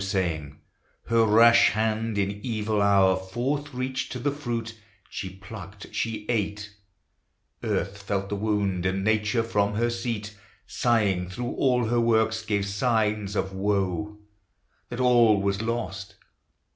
So saying, her rash hand in evil hour Forth reaching to the fruit, she plucked, she eat: Earth felt the wound, and Nature from her seat Sighing through all her works gave signs of woe, That all was lost.